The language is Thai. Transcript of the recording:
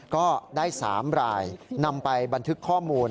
ก็ได้๓รายนำไปบันทึกข้อมูล